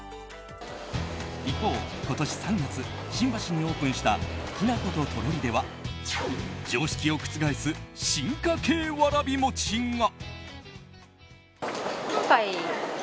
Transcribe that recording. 一方、今年３月新橋にオープンしたきなこととろりでは常識を覆す進化系わらび餅が。